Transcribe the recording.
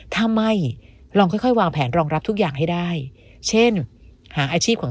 ถ้าไม่ลองค่อยวางแผนรองรับทุกอย่างให้ได้เช่นหาอาชีพของ